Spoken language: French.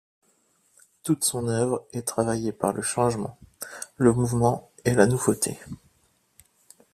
Toute son œuvre est travaillée par le changement, le mouvement et la nouveauté.